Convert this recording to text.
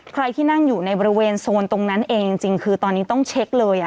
ใครที่นั่งอยู่ในบริเวณโซนตรงนั้นเองจริงคือตอนนี้ต้องเช็คเลย